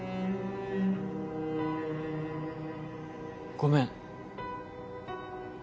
ごめん。